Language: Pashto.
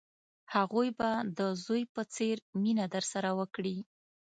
هغوی به د زوی په څېر مینه درسره وکړي.